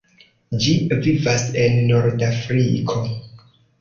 Ĝi vivas en Nordafriko.